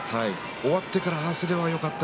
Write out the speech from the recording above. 終わってからああすればよかった